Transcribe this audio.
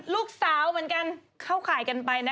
ลูกสาวเหมือนกันเข้าข่าวกันไปนะ